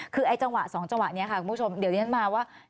แต่จำวะสองจำวะนี้ค่ะคุณผู้ชมเดี๋ยวนี้นะว่า